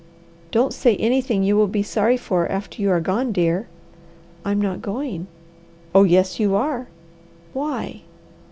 "Don't say anything you will be sorry for after you are gone, dear." "I'm not going!" "Oh yes you are!" "Why?"